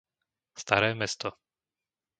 Staré Mesto